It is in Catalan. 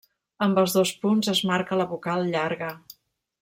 Amb els dos punts es marca la vocal llarga.